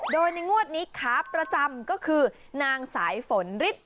โดยในงวดนี้ขาประจำก็คือนางสายฝนฤทธิ